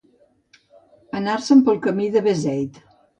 Anar-se'n pel camí de Beseit.